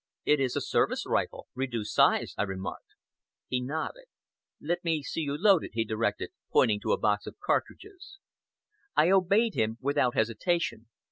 "It is a service rifle, reduced size," I remarked. He nodded. "Let me see you load it!" he directed, pointing to a box of cartridges. I obeyed him without hesitation.